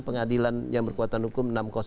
pengadilan yang berkuatan hukum enam ratus satu